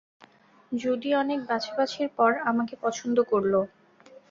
জুডি অনেক বাছাবাছির পর আমাকে পছন্দ করল।